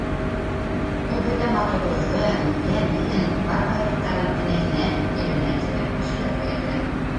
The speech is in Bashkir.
Ул бөтә матурлығын, йәмен, бар байлыҡтарын энәһенән-ебенә тиклем кешеләргә бирә